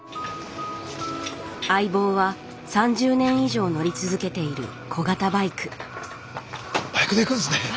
相棒は３０年以上乗り続けている小型バイクバイクで行くんですね。